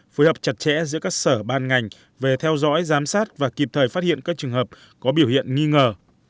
phối hợp chặt chẽ giữa các sở ban ngành về theo dõi giám sát và kịp thời phát hiện các trường hợp có biểu hiện nghi ngờ